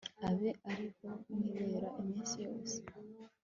abe ari ho nibera iminsi yose